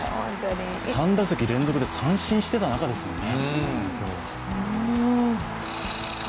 ３打席連続で三振してた中ですもんね。